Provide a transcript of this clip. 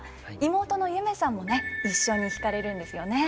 妹の夢さんもね一緒に弾かれるんですよね。